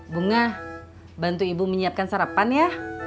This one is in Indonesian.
bunga bantu ibu menyiapkan sarapan ya